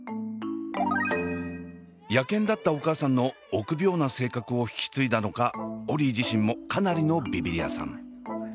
野犬だったお母さんの臆病な性格を引き継いだのかオリィ自身もかなりのビビリ屋さん。